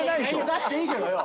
出していいけどよ。